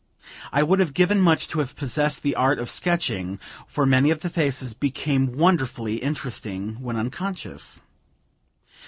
I would have given much to have possessed the art of sketching, for many of the faces became wonderfully interesting when unconscious.